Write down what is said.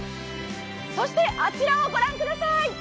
そして、あちらをご覧ください！